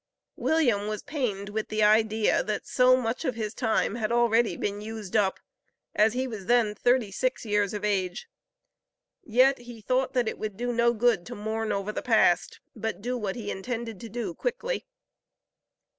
William was pained with the idea that so much of his time had already been used up, as he was then thirty six years of age. Yet he thought that it would do no good to mourn over the past, but do what he intended to do quickly.